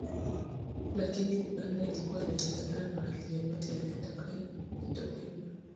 Lakini Uganda ilikuwa inajiandaa na hali yoyote yenye itakayojitokeza